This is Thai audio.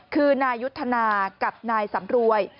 คือนายยุทธนากับนายสำรวย